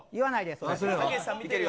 たけしさん見てるよ。